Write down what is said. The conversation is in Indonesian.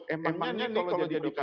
emangnya nih kalau jadi dukada